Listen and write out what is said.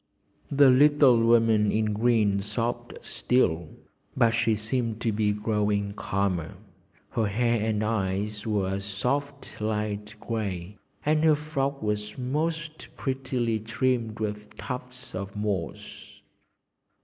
The little woman in green sobbed still, but she seemed to be growing calmer. Her hair and eyes were a soft light grey, and her frock was most prettily trimmed with tufts of moss.